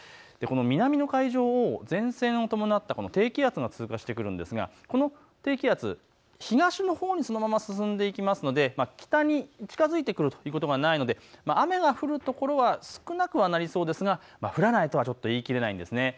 南の海上を前線を伴った低気圧が通過してくるんですがこの低気圧、東のほうにそのまま進んでいきますので北に近づいてくるということがないので雨が降るというところは少なくなりそうですが降らないとは言い切れないですね。